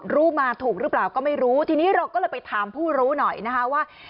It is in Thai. รู้มาถูกหรือเปล่าก็ไม่รู้ทีนี้เราก็เลยไปถามผู้รู้หน่อยนะคะว่า